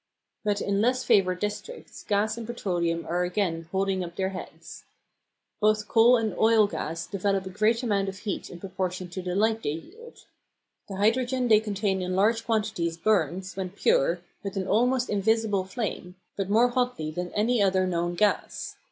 But in less favoured districts gas and petroleum are again holding up their heads. Both coal and oil gas develop a great amount of heat in proportion to the light they yield. The hydrogen they contain in large quantities burns, when pure, with an almost invisible flame, but more hotly than any other known gas.